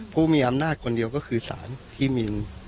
ผู้มีอำนาจคนเดียวก็คือสารที่มี